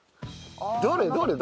どれ？